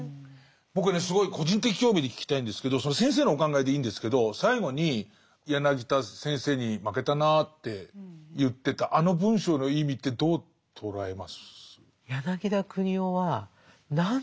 僕はねすごい個人的興味で聞きたいんですけど先生のお考えでいいんですけど最後に柳田先生に負けたなって言ってたあの文章の意味ってどう捉えます？